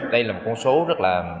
đây là một con số rất là